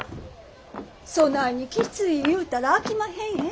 そないにきつうに言うたらあきまへんえ。